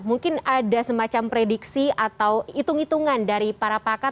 mungkin ada semacam prediksi atau hitung hitungan dari para pakar